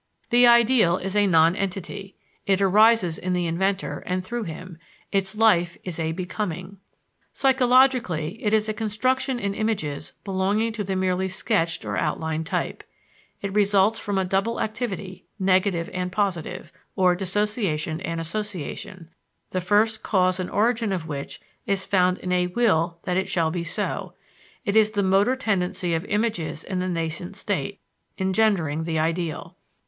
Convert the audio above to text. The ideal is a nonentity; it arises in the inventor and through him; its life is a becoming. Psychologically, it is a construction in images belonging to the merely sketched or outlined type. It results from a double activity, negative and positive, or dissociation and association, the first cause and origin of which is found in a will that it shall be so; it is the motor tendency of images in the nascent state engendering the ideal.